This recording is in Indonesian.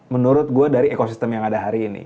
menurut gue dari ekosistem yang ada hari ini